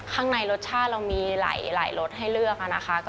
ข้างในรสชาติเรามีหลายรสให้เลือกนะคะ